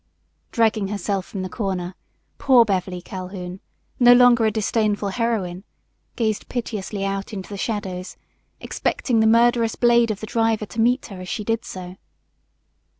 Dragging herself from the corner, poor Beverly Calhoun, no longer a disdainful heroine, gazed piteously out into the shadows, expecting the murderous blade of the driver to meet her as she did so.